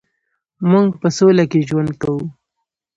مونږ په سوله کې ژوند کوو